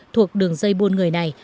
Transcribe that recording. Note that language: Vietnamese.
thuộc đường dây buôn người này